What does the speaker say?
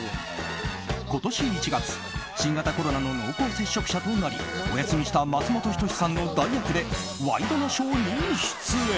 今年１月、新型コロナの濃厚接触者となりお休みした松本人志さんの代役で「ワイドナショー」に出演。